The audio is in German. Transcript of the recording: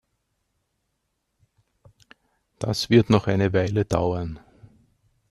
Das wird noch eine Weile dauern.